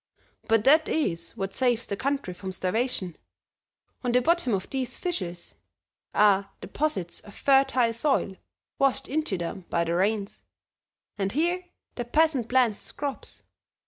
But that is what saves the country from starvation; on the bottom of these fissures are deposits of fertile soil washed into them by the rains, and here the peasant plants his crops.